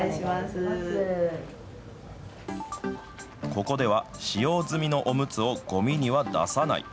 ここでは使用済みのおむつをごみには出さない。